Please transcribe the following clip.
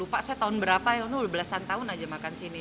lupa saya tahun berapa saya sudah belasan tahun saja makan di sini